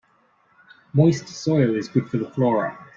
Moist soil is good for the flora.